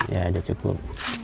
ya sudah cukup